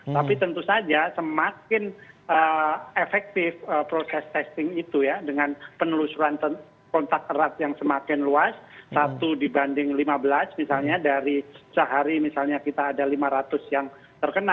tapi tentu saja semakin efektif proses testing itu ya dengan penelusuran kontak erat yang semakin luas satu dibanding lima belas misalnya dari sehari misalnya kita ada lima ratus yang terkena